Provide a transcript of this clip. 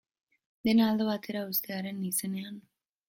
Dena albo batera uztearen izenean?